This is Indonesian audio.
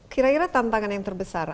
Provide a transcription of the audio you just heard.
kira kira tantangan yang terbesar